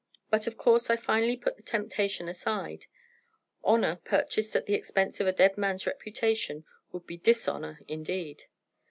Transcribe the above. But, of course, I finally put the temptation aside; honour purchased at the expense of a dead man's reputation would be dishonour indeed.